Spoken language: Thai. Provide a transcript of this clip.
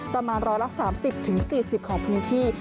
ประมาณร้อยละ๓๐๔๐ของพื้นที่